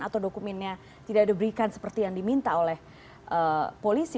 atau dokumennya tidak diberikan seperti yang diminta oleh polisi